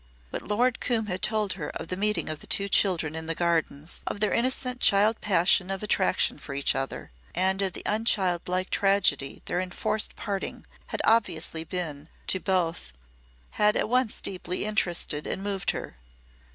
What Lord Coombe had told her of the meeting of the two children in the Gardens, of their innocent child passion of attraction for each other, and of the unchildlike tragedy their enforced parting had obviously been to both had at once deeply interested and moved her.